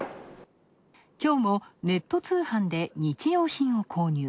きょうもネット通販で日用品を購入。